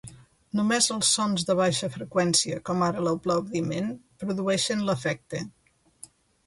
Només els sons de baixa freqüència com ara l'aplaudiment produeixen l'efecte.